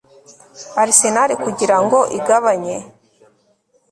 Arsenal kugirango igabanye